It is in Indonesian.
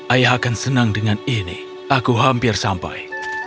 ayah akan senang dengan ini aku hampir sampai